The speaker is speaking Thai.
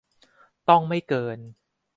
ต้องไม่เกิน